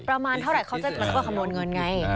ประมาณเท่าไหร่เขาจะมันก็คำนวณเงินไง